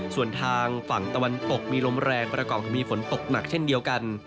ส่วนทางฝั่งตะวันตกมีลมแรงประกอบกับมีฝนตกหนักเช่นเดียวกัน